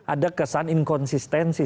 ada kesan inkonsistensi